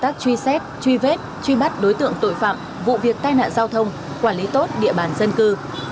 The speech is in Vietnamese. công tác truy xét truy vết truy bắt đối tượng tội phạm vụ việc tai nạn giao thông quản lý tốt địa bàn dân cư